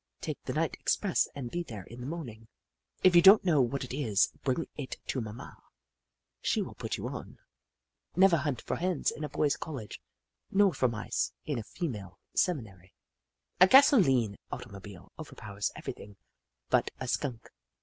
Take the night express and be there in the morning. Hoop La 157 " If you don't know what it is, bring it to Mamma. She will put you on. " Never hunt for Hens in a boys' college, nor for Mice in a female seminary. " A gasolene automobile overpowers every thing but a Skunk.